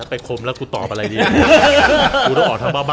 ไปคมแล้วกูตอบอะไรดี